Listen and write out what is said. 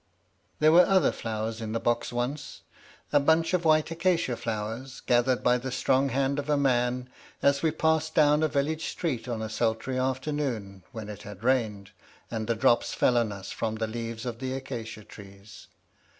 There were other flowers in the box once; a bunch of white acacia flowers, gathered by the strong hand of a man, as we passed down a village street on a sultry afternoon, when it had rained, and the drops fell on us from the leaves of the acacia trees.